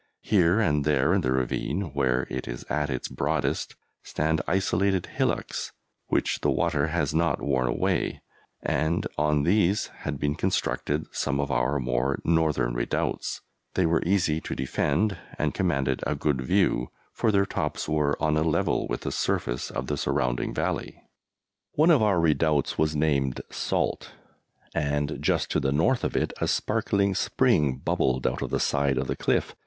Here and there in the ravine, where it is at its broadest, stand isolated hillocks which the water has not worn away, and on these had been constructed some of our more northern redoubts; they were easy to defend and commanded a good view, for their tops were on a level with the surface of the surrounding valley. One of our redoubts was named "Salt," and just to the north of it a sparkling spring bubbled out of the side of the cliff.